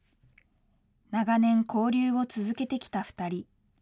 長年、交流を続けてきた２人。